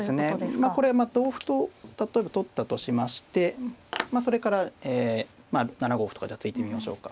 まあこれは同歩と例えば取ったとしましてそれから７五歩とか突いてみましょうか。